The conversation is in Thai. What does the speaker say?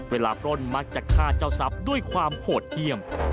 ปล้นมักจะฆ่าเจ้าทรัพย์ด้วยความโหดเยี่ยม